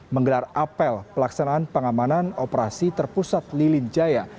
menggelar apel pelaksanaan pengamanan operasi terpusat lilin jaya